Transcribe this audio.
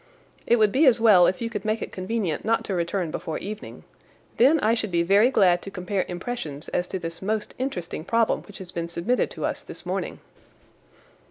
It would be as well if you could make it convenient not to return before evening. Then I should be very glad to compare impressions as to this most interesting problem which has been submitted to us this morning."